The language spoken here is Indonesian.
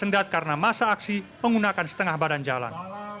sendat karena masa aksi menggunakan setengah badan jalan